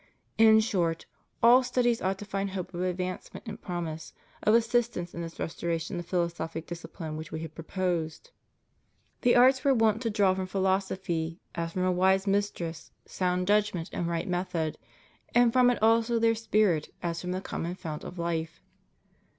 In short, all studies ought to find hope of advancement and promise of assistance in this restoration of philosophic discipline which We have proposed. The arts were wont to draw from philosophy, as from a wise mistress, sound judgment and right method, and from it also their spirit as from the common fount of life.